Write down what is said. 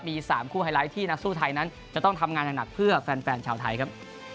มี๓คู่ไฮไลท์ที่นักสู้ไทยนั้นจะต้องทำงานอย่างหนักเพื่อแฟนชาวไทยครับ